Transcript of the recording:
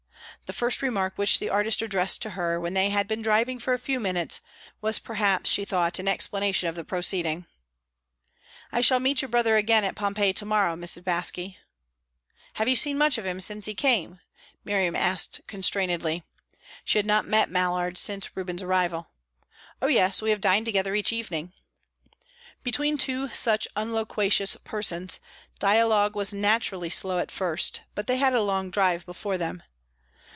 The first remark which the artist addressed to her, when they had been driving for a few minutes, was perhaps, she thought, an explanation of the proceeding. "I shall meet your brother again at Pompeii to morrow, Mrs. Baske." "Have you seen much of him since he came?" Miriam asked constrainedly. She had not met Mallard since Reuben's arrival. "Oh yes. We have dined together each evening." Between two such unloquacious persons, dialogue was naturally slow at first, but they had a long drive before them.